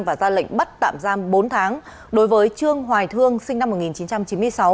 và ra lệnh bắt tạm giam bốn tháng đối với trương hoài thương sinh năm một nghìn chín trăm chín mươi sáu